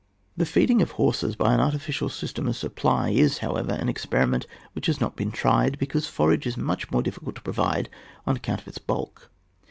The feeding of horses by an artificial system of supply is, however, an experi ment which has not been tried, because forage is much more difficult to provide on account of its bulk.